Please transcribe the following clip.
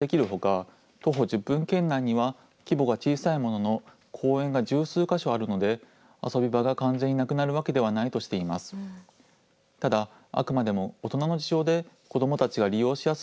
市は近くの小学校でも、長期休暇中は校庭が利用できるほか、徒歩１０分圏内には、規模が小さいものの公園が十数か所あるので、遊び場が完全になくなるわけではないとしています。